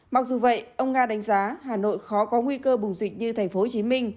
mặc dù vậy ông nga đánh giá hà nội khó có nguy cơ bùng dịch như tp hcm